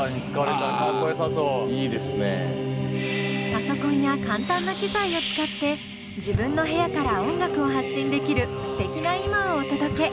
パソコンや簡単な機材を使って自分の部屋から音楽を発信できるすてきな今をお届け。